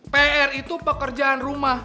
pr itu pekerjaan rumah